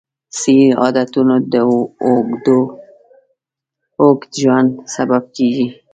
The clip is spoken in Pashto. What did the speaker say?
صحي عادتونه د اوږد ژوند سبب کېږي.